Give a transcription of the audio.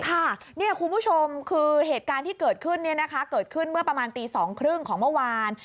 คุณผู้ชมคือเหตุการณ์ที่เกิดขึ้นเกิดขึ้นเมื่อประมาณตี๒๓๐ของเมื่อวาน